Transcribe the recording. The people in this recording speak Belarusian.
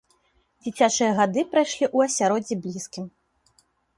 Дзіцячыя гады прайшлі ў асяроддзі блізкім.